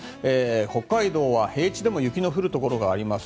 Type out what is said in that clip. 北海道は平地でも雪の降るところがあります。